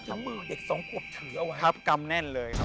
หมายความว่า